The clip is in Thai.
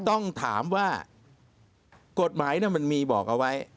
ต้องถามว่ากฎหมายมันมีบอกเอาไว้